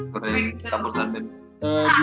pertanyaan yang sama bu